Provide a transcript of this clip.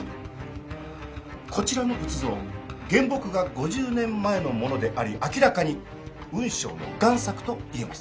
こちらの仏像原木が５０年前のものであり明らかに雲尚の贋作と言えます。